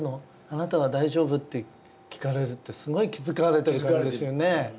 あなたは大丈夫？」って聞かれるってすごい気遣われてる感じですよね。